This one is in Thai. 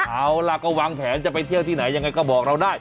เอาล่ะก็วางแผนจะไปเที่ยวที่ไหนยังไงก็บอกเราได้